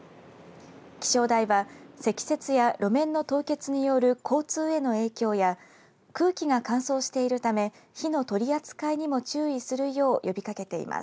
気象台は積雪や路面の凍結による交通への影響や空気が乾燥しているため火の取り扱いにも注意するよう呼びかけています。